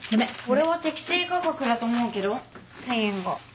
俺は適正価格だと思うけど１０００円が。